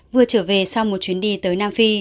vừa trở về sau một chuyến đi tới nam phi